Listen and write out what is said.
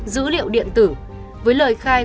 dữ liệu điện tử với lời khai